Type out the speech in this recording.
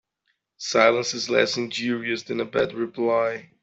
Silence is less injurious than a bad reply.